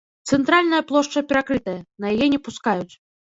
Цэнтральная плошча перакрытая, на яе не пускаюць.